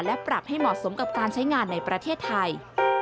และปรับให้เหมาะสมกับการใช้งานในประเทศไทย